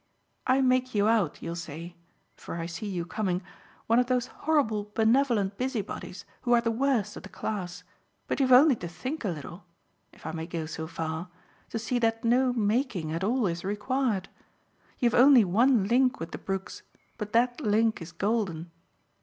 I make you out, you'll say for I see you coming one of those horrible benevolent busy bodies who are the worst of the class, but you've only to think a little if I may go so far to see that no 'making' at all is required. You've only one link with the Brooks, but that link is golden.